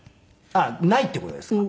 ああないって事ですか？